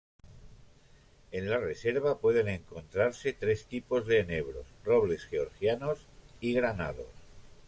En la reserva pueden encontrarse tres tipos de enebros, robles georgianos y granados.